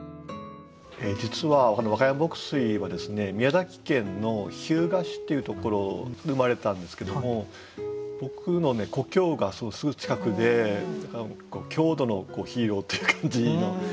実は若山牧水はですね宮崎県の日向市っていうところで生まれたんですけども僕の故郷がそのすぐ近くで郷土のヒーローという感じの人なんですね。